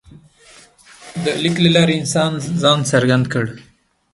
د لیک له لارې انسان ځان څرګند کړ.